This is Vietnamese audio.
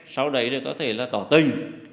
sau đấy thì có thể là tỏ tình